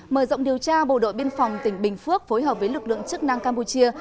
mở rộng điều tra bộ đội biên phòng tỉnh bình phước phối hợp với lực lượng chức năng campuchia